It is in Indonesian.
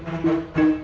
ya pak juna